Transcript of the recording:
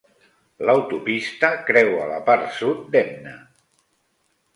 L'autopista creua la part sud d'Hemne.